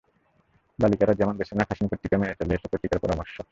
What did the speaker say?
বালিকারা যেমন বেছে নেয় ফ্যাশন পত্রিকা, মেনে চলে এসব পত্রিকার পরামর্শ।